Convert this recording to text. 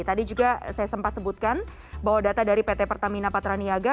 tadi juga saya sempat sebutkan bahwa data dari pt pertamina patraniaga